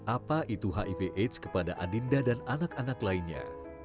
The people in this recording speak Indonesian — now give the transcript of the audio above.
apa itu hiv aids kepada adinda dan anak anak lainnya